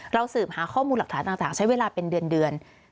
สืบหาข้อมูลหลักฐานต่างใช้เวลาเป็นเดือน